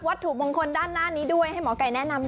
อย่างแรกเลยก็คือการทำบุญเกี่ยวกับเรื่องของพวกการเงินโชคลาภ